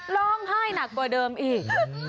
ร้องไห้หนักกว่าเดิมอีก